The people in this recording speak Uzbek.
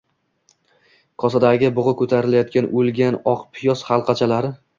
Kosadagi bugʼi koʼtarilayotgan, «oʼlgan» oq piyoz halqachalari